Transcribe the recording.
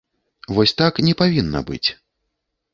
Вось так не павінна быць.